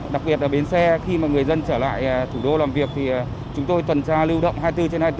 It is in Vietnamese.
đặc biệt là bến xe khi mà người dân trở lại thủ đô làm việc thì chúng tôi tuần tra lưu động hai mươi bốn trên hai mươi bốn